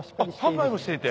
販売もしていて？